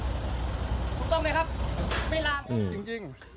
ถูกต้องไหมครับไม่ลามจริง